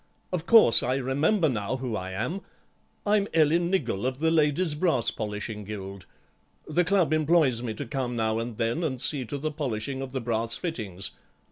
Of course, I remember now who I am. I'm Ellen Niggle, of the Ladies' Brasspolishing Guild. The Club employs me to come now and then and see to the polishing of the brass fittings.